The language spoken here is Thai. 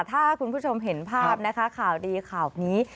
ถ้าคุณผู้ชมเห็นภาพนะคะข่าวดีข่าวนี้